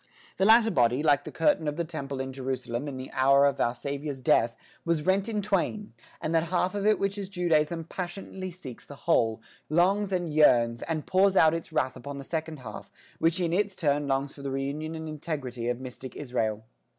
The latter body, like the curtain of the temple in Jerusalem in the hour of our Saviour's death, was rent in twain, and that half of it which is Judaism passionately seeks the whole, longs and yearns, and pours out its wrath upon the second half, which in its turn longs for the reunion and the integrity of mystic Israel.